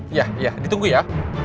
iya iya ditunggu ya